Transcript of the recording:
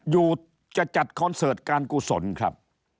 อยู่จะจัดคอนเสิร์ตการกุศลครับ